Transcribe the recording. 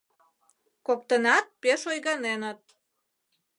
Коктынат пеш ойганеныт.